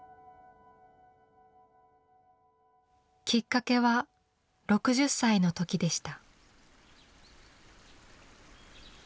きっかけは６０歳の時でした。